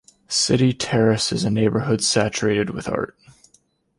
City Terrace is a neighborhood saturated with art.